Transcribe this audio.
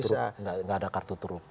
nggak ada kartu truf nggak ada kartu truf